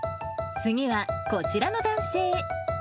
次はこちらの男性。